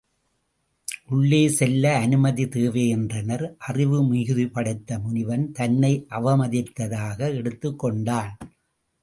உள்ளே செல்ல அனுமதி தேவை என்றனர் அறிவு மிகுதி படைத்த முனிவன் தன்னை அவமதித்ததாக எடுத்துக் கொண்டான்.